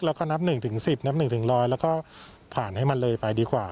แล้วก็นับหนึ่งถึงสิบนับหนึ่งถึงร้อยแล้วก็ผ่านให้มันเลยไปดีกว่า